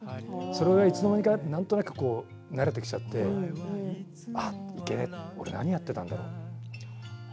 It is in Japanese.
それがいつの間にかなんとなく慣れてきちゃってあ、いけねえ俺、何やってたんだって。